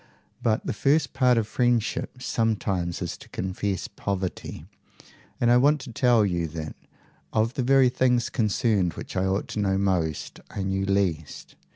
But the first part of friendship sometimes is to confess poverty, and I want to tell you that, of the very things concerning which I ought to know most, I knew least.